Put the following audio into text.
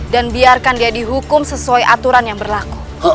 dan biarkan dia dihukum sesuai aturan yang berlaku